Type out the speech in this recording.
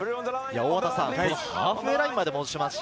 ハーフウェイラインまで戻しました。